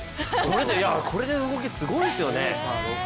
これであの動き、すごいですよね。